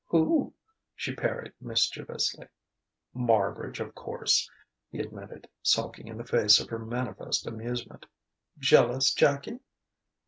"Who?" she parried mischievously. "Marbridge, of course," he admitted, sulking in the face of her manifest amusement. "Jealous, Jackie?"